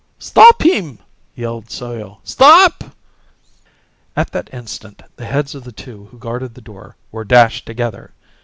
"Stop him!" yelled Soyo. "Stop " At that instant the heads of the two who guarded the door were dashed together.